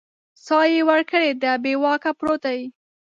ساه یې ورکړې ده بې واکه پروت دی